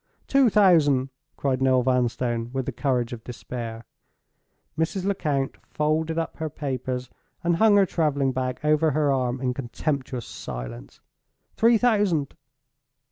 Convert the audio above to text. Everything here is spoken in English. "Two thousand!" cried Noel Vanstone, with the courage of despair. Mrs. Lecount folded up her papers and hung her traveling bag over her arm in contemptuous silence. "Three thousand!"